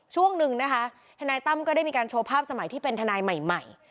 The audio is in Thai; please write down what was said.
ช่วงหนึ่งนะคะทนายตั้มก็ได้มีการโชว์ภาพสมัยที่เป็นทนายใหม่